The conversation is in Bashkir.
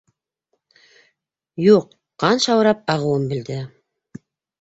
Юҡ, ҡан шаурап ағыуын белде.